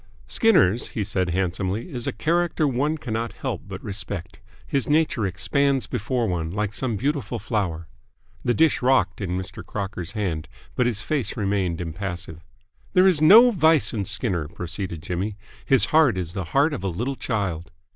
"Skinner's," he said handsomely, "is a character one cannot help but respect. His nature expands before one like some beautiful flower." The dish rocked in Mr. Crocker's hand, but his face remained impassive. "There is no vice in Skinner," proceeded Jimmy. "His heart is the heart of a little child."